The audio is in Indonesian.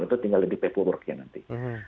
itu tinggal di paperwork nya nanti